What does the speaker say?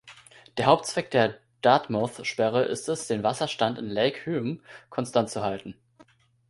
Der Hauptzweck der Dartmouth-Sperre ist es, den Wasserstand im Lake Hume konstant zu halten.